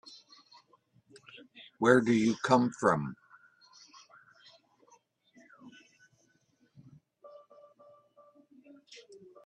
Where do you come from?